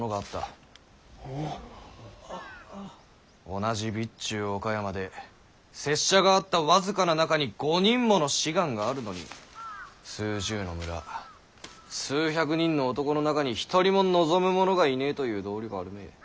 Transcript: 同じ備中岡山で拙者が会った僅かな中に５人もの志願があるのに数十の村数百人の男の中に一人も望む者がいねぇという道理はあるめぇ。